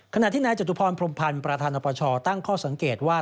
ขณะที่นายจตุพรพรมพันธ์ประธานอปชตั้งข้อสังเกตว่า